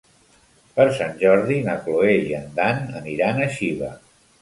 Per Sant Jordi na Cloè i en Dan aniran a Xiva.